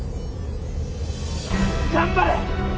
頑張れ！